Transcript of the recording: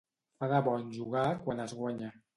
Fa de bon jugar quan es guanya.